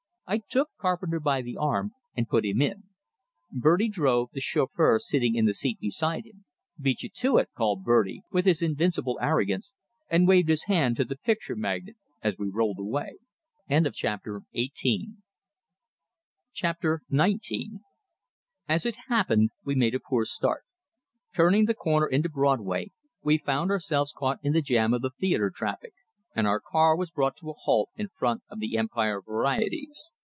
I took Carpenter by the arm and put him in. Bertie drove, the chauffeur sitting in the seat beside him. "Beat you to it!" called Bertie, with his invincible arrogance, and waved his hand to the picture magnate as we rolled away. XIX As it happened, we made a poor start. Turning the corner into Broadway, we found ourselves caught in the jam of the theatre traffic, and our car was brought to a halt in front of the "Empire Varieties."